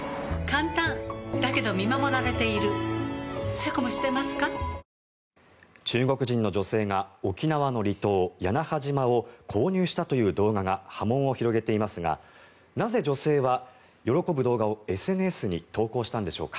サントリー「ロコモア」中国人の女性が沖縄の離島、屋那覇島を購入したという動画が波紋を広げていますがなぜ女性は喜ぶ動画をＳＮＳに投稿したんでしょうか。